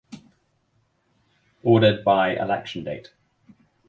Ordered by election date.